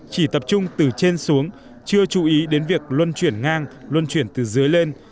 chỉ tập trung từ trên xuống chưa chú ý đến việc luân chuyển ngang luân chuyển từ dưới lên